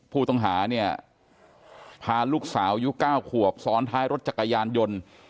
ผู้ต้องหาเนี่ยพาลูกสาวยุค๙ขวบซ้อนท้ายรถจักรยานยนต์